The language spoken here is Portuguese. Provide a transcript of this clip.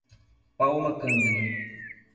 Paula Cândido